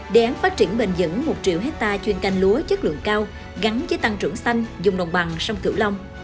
đề án phát triển bền dẫn một triệu hectare chuyên canh lúa chất lượng cao gắn với tăng trưởng xanh dùng đồng bằng sông cửu long